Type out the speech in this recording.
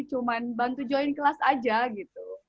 cuma bantu join kelas aja gitu